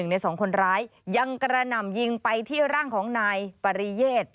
ใน๒คนร้ายยังกระหน่ำยิงไปที่ร่างของนายปริเยศ